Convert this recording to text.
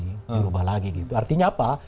dibubah lagi artinya apa